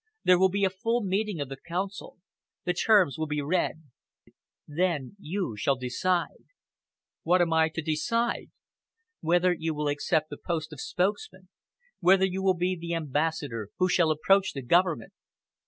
"There will be a full meeting of the Council. The terms will be read. Then you shall decide." "What am I to decide?" "Whether you will accept the post of spokesman whether you will be the ambassador who shall approach the Government."